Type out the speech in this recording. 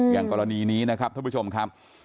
อย่างกรณีนี้นะครับท่านผู้ชมครับ